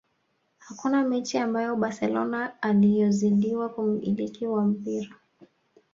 hakuna mechi ambayo barcelona aliyozidiwa umiliki wa mpira